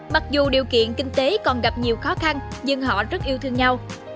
mặc dù điều kiện kinh tế còn gặp nhiều khó khăn nhưng họ rất yêu thương nhau